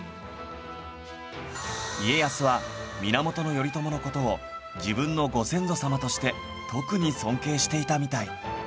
家康は源頼朝の事を自分のご先祖様として特に尊敬していたみたい